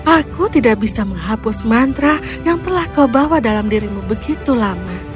aku tidak bisa menghapus mantra yang telah kau bawa dalam dirimu begitu lama